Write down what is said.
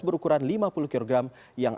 berukuran lima puluh kg yang